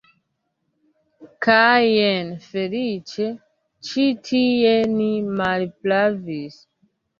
Kaj jen, feliĉe, ĉi tie ni malpravis.